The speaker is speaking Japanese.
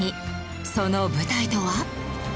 その舞台とは？